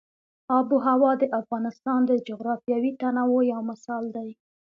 آب وهوا د افغانستان د جغرافیوي تنوع یو مثال دی.